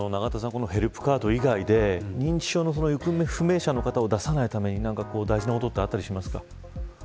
このヘルプカード以外で認知症の行方不明者の方を出さないために大事なことってあったりしますか。